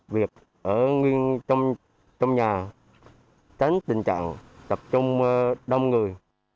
việc ở trong nhà tránh tình trạng tập trung đông người